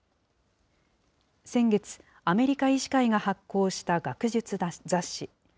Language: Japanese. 先月、アメリカ医師会が発行した学術雑誌。